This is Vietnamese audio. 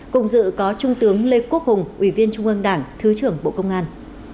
cùng dự có trung tướng lê quốc hùng ủy viên trung ương đảng thứ trưởng bộ công an